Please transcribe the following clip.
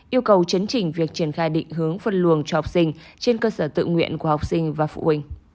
yêu cầu chấn chỉnh việc triển khai định hướng phân luồng cho học sinh trên cơ sở tự nguyện của học sinh và phụ huynh